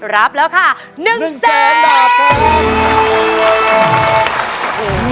รับแล้วค่ะ๑แสนบาท